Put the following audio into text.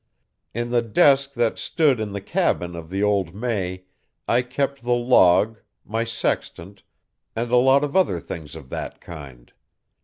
In the desk that stood in the cabin of the old May I kept the log, my sextant, and a lot of other things of that kind.